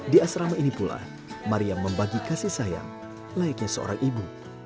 di asrama ini pula maria membagi kasih sayang layaknya seorang ibu